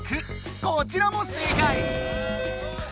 こちらも正解！